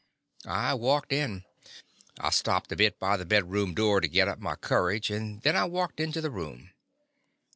I walked in. I stopped a bit by the bedroom door to git up my courage, and then I walked into the room.